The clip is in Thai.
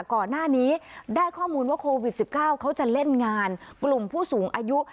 ก่อนหน้านี้ได้ข้อมูลว่าโควิด๑๙เขาจะเล่นงานกลุ่มผู้สูงอายุ